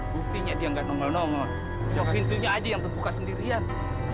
buktinya dia enggak nongol nongol pintunya aja yang terbuka sendirian